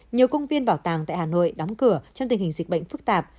nhiều công viên bảo tàng tại hà nội đóng cửa trong tình hình dịch bệnh phức tạp